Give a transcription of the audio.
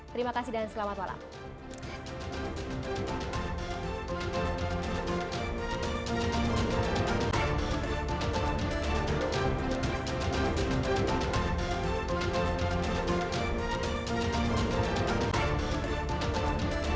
terima kasih dan selamat malam